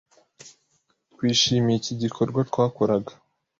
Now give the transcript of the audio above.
Twishimiye iki gikorwa twakoraga